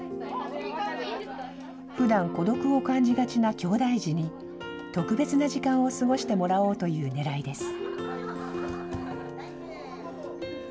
ふだん、孤独を感じがちなきょうだい児に、特別な時間を過ごしてもらおうというねらいです。